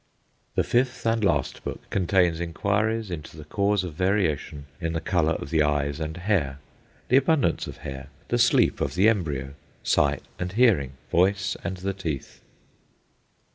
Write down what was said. The fifth and last book contains inquiries into the cause of variation in the colour of the eyes and hair, the abundance of hair, the sleep of the embryo, sight and hearing, voice and the teeth.